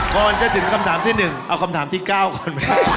ก่อนจะถึงคำถามที่๑เอาคำถามที่๙ก่อนไหม